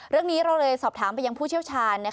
เรื่องนี้เราเลยสอบถามไปยังผู้เชี่ยวชาญ